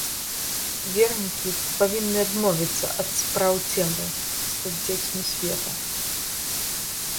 Вернікі павінны адмовіцца ад спраў цемры, стаць дзецьмі света.